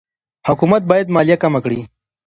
حکومت باید مالیه کمه کړي.